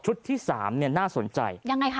ชุดที่๓น่าสนใจ